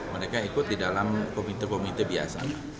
mereka ikut di dalam komite komite biasa